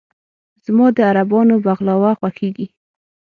زما د عربانو "بغلاوه" خوښېږي.